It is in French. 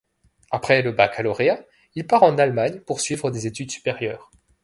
Après le baccalauréat, il part en Allemagne pour suivre des études supérieures.